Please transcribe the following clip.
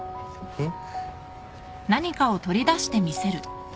うん。